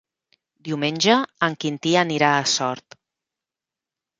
Diumenge en Quintí anirà a Sort.